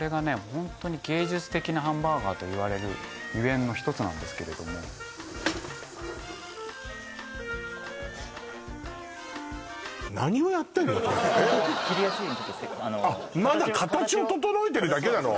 ホントに芸術的なハンバーガーといわれるゆえんの一つなんですけれども切りやすいようにちょっと形をまだ形を整えてるだけなの？